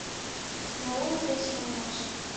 Но уло вес шонымаш.